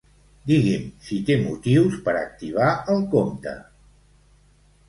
Digui'm si té motius per activar el compte.